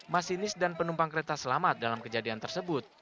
masinis dan penumpang kereta selamat dalam kejadian tersebut